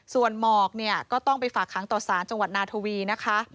ส่วนหมอกเนี่ยก็ต้องไปฝากค้างต่อสารจังหวัดนาทวีนะคะ